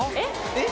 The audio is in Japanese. えっ？